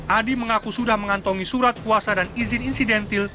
adi mengaku sudah mengantongi surat puasa dan izin insidentil